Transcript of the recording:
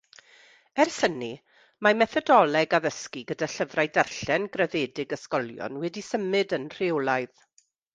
Ers hynny, mae methodoleg addysgu gyda llyfrau darllen graddedig ysgolion wedi symud yn rheolaidd.